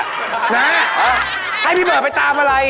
นะให้พี่เบิร์ดไปตามอะไร